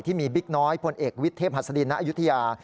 ที่มีบิ๊กน้อยพลเอกวิทเทพฮัศดินณยุธิยา